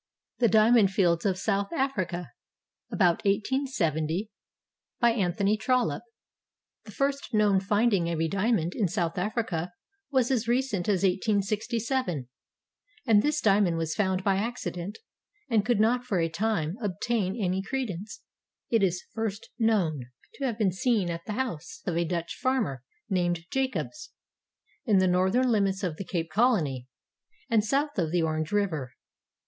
THE DIAMOND FIELDS OF SOUTH AFRICA [About 1870] BY ANTHONY TROLLOPE The first known finding of a diamond in South Africa was as recent as 1867, and this diamond was found by accident and could not for a time obtain any credence. It is first known to have been seen at the house of a Dutch farmer named Jacobs, in the northern limits of the Cape Colony, and south of the Orange River.